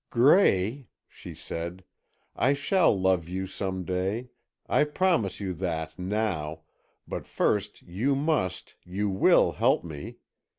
"Gray," she said, "I shall love you some day, I promise you that, now, but first, you must, you will help me!